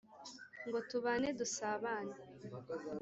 ngo tubane dusabane